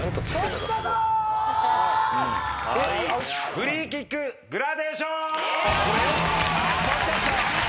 フリーキックグラデーション。